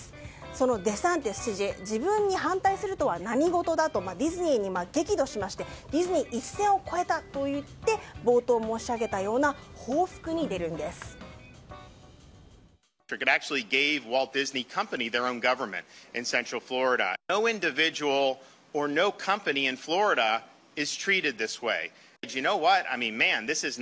そのデサンティス知事自分に反対するとは何事だとディズニーに激怒しまして一線を越えたといって冒頭申し上げたような報復に出るんです。